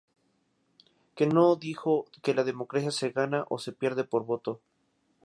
Que no dijo que la democracia se gana o se pierde por voto.